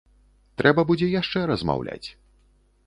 Трэба будзе яшчэ размаўляць.